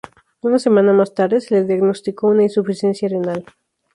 Una semana más tarde se le diagnosticó una insuficiencia renal.